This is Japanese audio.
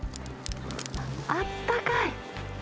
あったかい！